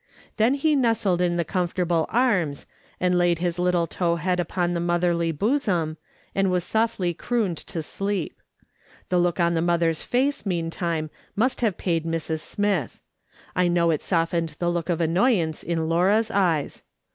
Then he nestled in the comfortable arms, and laid his little tow head against the motherly bosom, and was softly crooned to sleep. The look on the mother's f;ice, meantime, must have paid Mrs. Smith; I know it softened the look of annoyance in Laura's eyes.